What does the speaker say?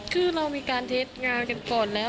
คือเรามีการเท็จงานกันก่อนแล้ว